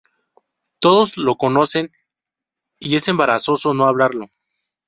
Todos lo conocen y es embarazoso no hablarlo.